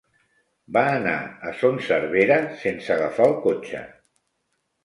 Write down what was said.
Va anar a Son Servera sense agafar el cotxe.